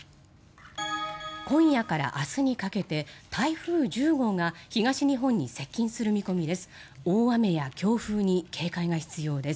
今夜から明日にかけて台風１０号が東日本に接近する見込みです。